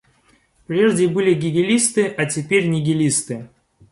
Прежде были гегелисты, а теперь нигилисты.